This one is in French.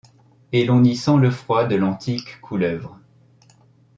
Et l'on y sent le froid de l'antique couleuvre.